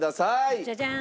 ジャジャーン！